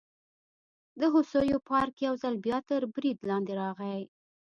د هوسیو پارک یو ځل بیا تر برید لاندې راغی.